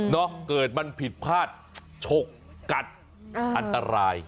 เกิดมันผิดพลาดฉกกัดอันตราย